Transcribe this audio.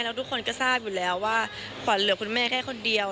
แล้วทุกคนก็ทราบอยู่แล้วว่าขวัญเหลือคุณแม่แค่คนเดียว